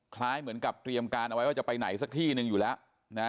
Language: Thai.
คล้ายเหมือนกับเตรียมการเอาไว้ว่าจะไปไหนสักที่หนึ่งอยู่แล้วนะ